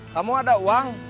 kamu ada uang